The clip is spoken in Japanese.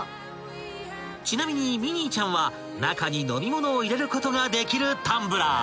［ちなみにミニーちゃんは中に飲み物を入れることができるタンブラー］